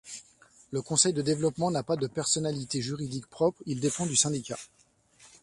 Le conseil de développement n'a pas de personnalité juridique propre, il dépend du syndicat.